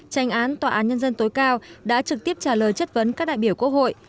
tranh án tòa án nhân dân tối cao đã trực tiếp trả lời chất vấn các đại biểu quốc hội